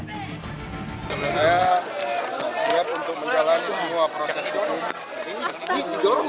saya siap untuk menjalani semua proses hukum